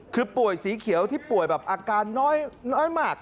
คือป่วยสีเขียวที่ป่วยแบบอาการน้อยมาก